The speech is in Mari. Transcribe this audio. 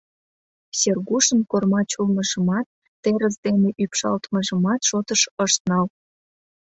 Сергушын кормач улмыжымат, терыс дене ӱпшалтмыжымат шотыш ышт нал.